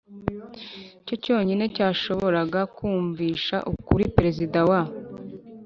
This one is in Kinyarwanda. cyo cyonine cyashoboraga kumvisha ukuri perezida wa